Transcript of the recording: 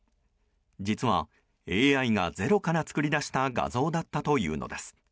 実は、ＡＩがゼロから作り出した画像だったというのです。